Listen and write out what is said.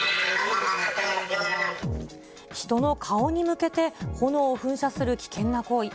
人の顔に向けて、炎を噴射する危険な行為。